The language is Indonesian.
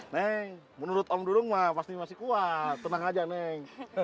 neng menurut om dulu wah pasti masih kuat tenang aja neng